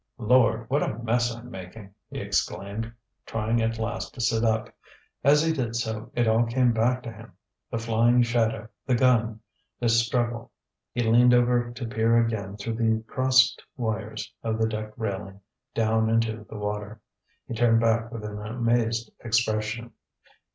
"Lord, what a mess I'm making!" he exclaimed, trying at last to sit up. As he did so, it all came back to him the flying shadow, the gun, the struggle. He leaned over to peer again through the crossed wires of the deck railing, down into the water. He turned back with an amazed expression.